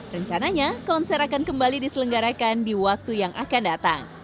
rencananya konser akan kembali diselenggarakan di waktu yang akan datang